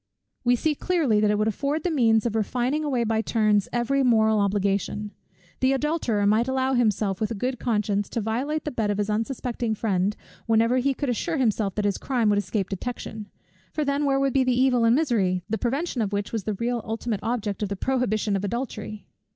We see clearly that it would afford the means of refining away by turns every moral obligation. The adulterer might allow himself with a good conscience, to violate the bed of his unsuspecting friend, whenever he could assure himself that his crime would escape detection; for then, where would be the evil and misery, the prevention of which was the real ultimate object of the prohibition of adultery?